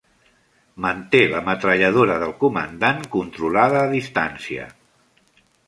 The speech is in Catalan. Manté la metralladora del comandant controlada a distància.